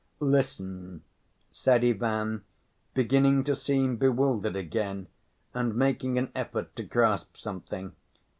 "Listen ..." said Ivan, beginning to seem bewildered again and making an effort to grasp something.